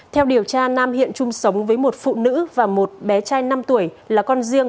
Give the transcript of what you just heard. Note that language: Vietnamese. theo điều tra nam hiện chung sống với một phụ nữ và một bé trai năm tuổi là con riêng